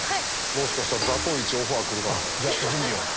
もしかしたら『座頭市』オファー来るかもしらん。